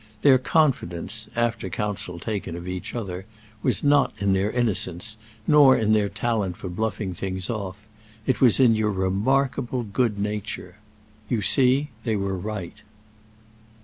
Their confidence, after counsel taken of each other, was not in their innocence, nor in their talent for bluffing things off; it was in your remarkable good nature! You see they were right."